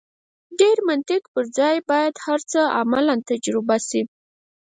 ډېر منطق پر ځای باید هر څه عملاً تجربه شي.